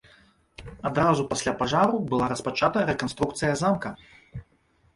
Адразу пасля пажару была распачата рэканструкцыя замка.